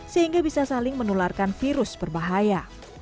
sehingga bisa saling menularkan virus berbahaya